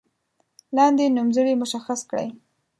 لاندې نومځري مشخص کړئ.